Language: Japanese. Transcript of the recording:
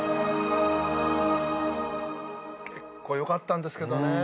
結構よかったんですけどね。